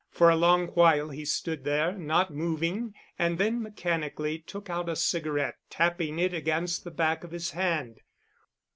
For a long while he stood there, not moving, and then mechanically took out a cigarette, tapping it against the back of his hand.